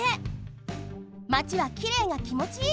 マチはきれいがきもちいい！